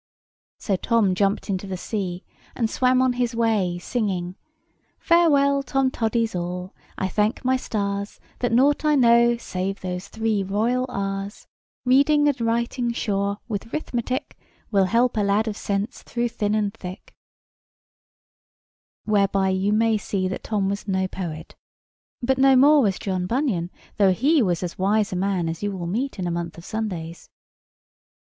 So Tom jumped into the sea, and swam on his way, singing:— "Farewell, Tomtoddies all; I thank my stars That nought I know save those three royal r's: Reading and riting sure, with rithmetick, Will help a lad of sense through thin and thick." Whereby you may see that Tom was no poet: but no more was John Bunyan, though he was as wise a man as you will meet in a month of Sundays.